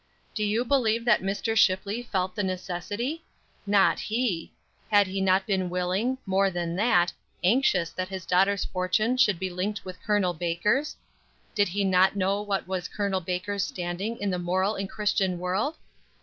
Do you believe that Mr. Shipley felt the necessity? Not he! Had he not been willing more than that, anxious that his daughter's fortune should be linked with Col. Baker's? Did he not know what was Col. Baker's standing in the moral and Christian world?